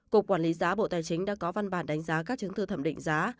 cục quản lý giá bộ tài chính đã có văn bản đánh giá các chứng thư thẩm định giá